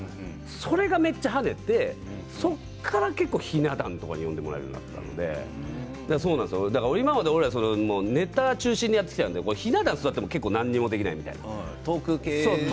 それがめっちゃはねてそこから結構ひな壇とかに呼んでもらえるようになったので今まで俺はネタを中心にやってきたのでひな壇に座ってもトークが、なかなかできない。